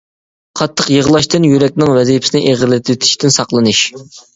قاتتىق يىغلاشتىن يۈرەكنىڭ ۋەزىپىسىنى ئېغىرلىتىۋېتىشتىن ساقلىنىش.